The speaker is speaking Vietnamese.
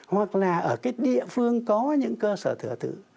hoặc là ở cái địa phương có những cơ sở thờ tự